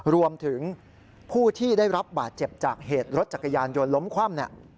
รวมถึงผู้ที่ได้รับบาดเจ็บจากเหตุรถจักรยานยนต์ล้มคว่ำเนี่ย